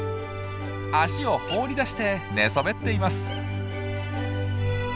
足を放り出して寝そべっています。